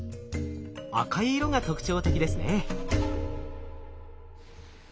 赤い色が特徴的ですね。